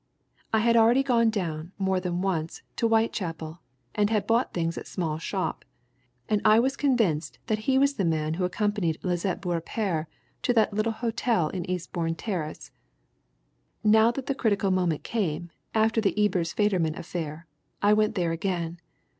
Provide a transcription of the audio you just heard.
"I had already been down, more than once, into Whitechapel, and had bought things at Schmall's shop, and I was convinced that he was the man who accompanied Lisette Beaurepaire to that little hotel in Eastbourne Terrace. Now that the critical moment came, after the Ebers Federman affair, I went there again.